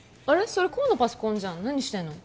それ功のパソコンじゃん何してんの？